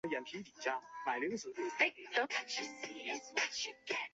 创始人是徐载弼和尹致昊。